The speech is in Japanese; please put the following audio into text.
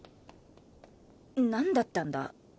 なんだったんだ？